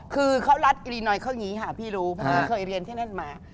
อ๋อคือรัฐอินลีนอยด์เขานี้พี่รู้เพราะเคยเรียนที่นั่นมา